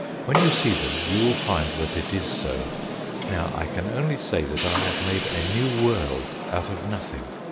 When you see them you will find that it is so. Now I can only say that I have made a new world out of nothing.